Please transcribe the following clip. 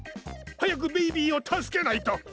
早くベイビーを助けないと！